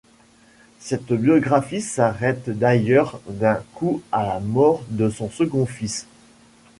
Cette biographie s'arrête d'ailleurs d'un coup à la mort de son second fils.